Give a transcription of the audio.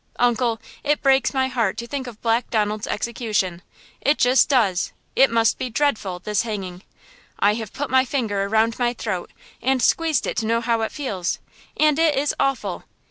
"Uncle, it breaks my heart to think of Black Donald's execution! It just does! It must be dreadful, this hanging! I have put my finger around my throat and squeezed it to know how it feels, and it is awful.